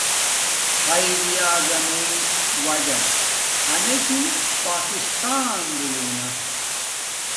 قایداعظمݵݵ واجس امچوں پاکسان دولونا